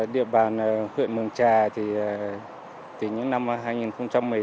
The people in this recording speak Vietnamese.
địa bàn huyện mường trà thì từ những năm hai nghìn một mươi tám xuất hiện hai cái tà đạo